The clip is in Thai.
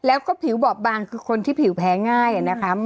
แล้วก็ผิวบอบบางคือคนที่ผิวแพ้ง่ายนะคะ